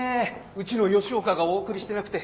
うちの吉岡がお送りしてなくて。